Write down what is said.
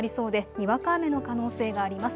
にわか雨の可能性があります。